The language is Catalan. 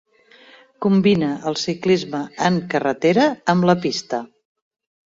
Combinà el ciclisme en carretera amb la pista.